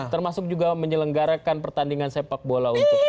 termasuk juga menyelenggarakan pertandingan sepak bola untuk